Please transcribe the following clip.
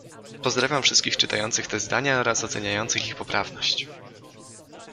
Pozdrawiam wszystkich czytających te zdania oraz oceniających ich poprawność.